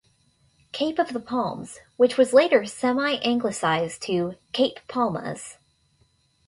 "Cape of the Palms", which was later semi-Anglicized to "Cape Palmas".